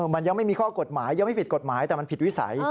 มันยังไม่มีข้อกฎหมายยังไม่ผิดกฎหมายแต่มันผิดวิสัย